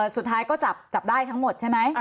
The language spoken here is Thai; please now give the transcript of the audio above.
สุดท้ายก็จับได้ทั้งหมดใช่ไหม